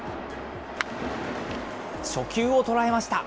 初球を捉えました。